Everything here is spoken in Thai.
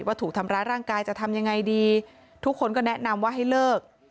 ถูกทำร้ายร่างกายจะทำยังไงดีทุกคนก็แนะนำว่าให้เลิก